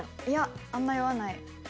いやあんま酔わない。